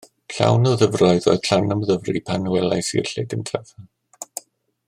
Llawn o ddyfroedd oedd Llanymddyfri pan welais i'r lle gyntaf.